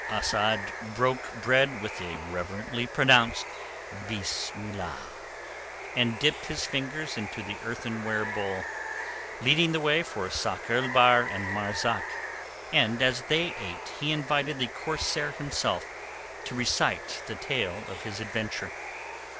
Asad broke bread with a reverently pronounced "Bismillah!" and dipped his fingers into the earthenware bowl, leading the way for Sakr el Bahr and Marzak, and as they ate he invited the corsair himself to recite the tale of his adventure.